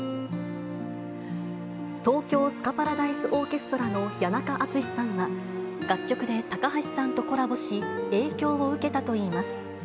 東京スカパラダイスオーケストラの谷中敦さんは、楽曲で高橋さんとコラボし、影響を受けたといいます。